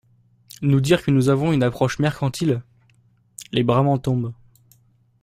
Nous dire que nous avons une approche mercantile… Les bras m’en tombent.